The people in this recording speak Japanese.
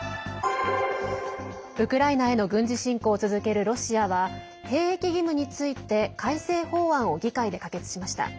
ウクライナへの軍事侵攻を続けるロシアは兵役義務について改正法案を議会で可決しました。